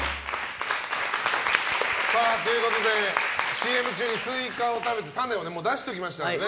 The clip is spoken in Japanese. ＣＭ中にスイカを食べて種を出しておきました。